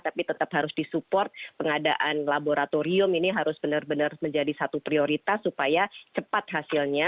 tapi tetap harus disupport pengadaan laboratorium ini harus benar benar menjadi satu prioritas supaya cepat hasilnya